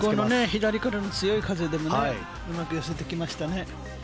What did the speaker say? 左からの強い風でもうまく寄せてきましたね。